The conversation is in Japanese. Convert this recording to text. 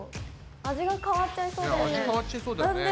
味が変わっちゃいそうだよね。